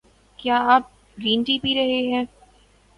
کیا آپ green tea پی رہے ہے؟